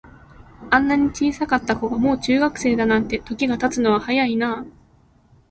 あんなに小さかった子が、もう中学生だなんて、時が経つのは早いなあ。